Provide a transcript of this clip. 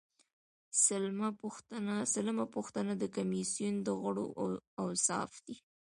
سلمه پوښتنه د کمیسیون د غړو اوصاف دي.